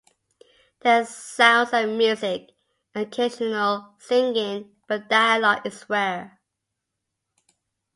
There are sounds and music and occasional singing but dialogue is rare.